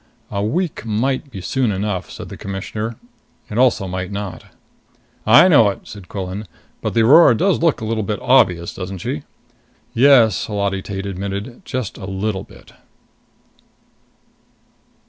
"A week might be soon enough," said the Commissioner. "It also might not." "I know it," said Quillan. "But the Aurora does look a little bit obvious, doesn't she?" "Yes," Holati Tate admitted. "Just a little bit."